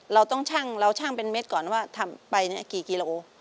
เราต้องชั่งเราช่างเป็นเม็ดก่อนว่าทำไปกี่กิโล